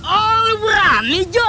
oh lu berani ju